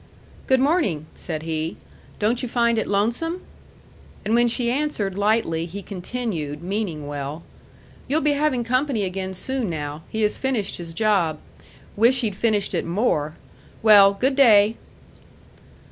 "Good morning," said he. "Don't you find it lonesome?" And when she answered lightly, he continued, meaning well: "You'll be having company again soon now. He has finished his job. Wish he'd finished it MORE! Well, good day."